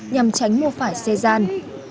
nhằm tránh mua phải xe gian